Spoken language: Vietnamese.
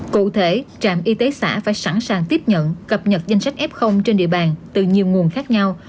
cụ thể trạm y tế xã phải sẵn sàng tiếp nhận cập nhật danh sách f trên địa bàn từ nhiều nguồn khác nhau